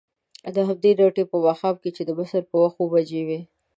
دهمدې نېټې په ماښام چې د مصر په وخت اوه بجې وې.